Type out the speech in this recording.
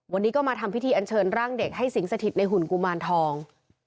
วันนี้ก็มาทำพิธีอันเชิญร่างเด็กให้สิงสถิตในหุ่นกุมารทอง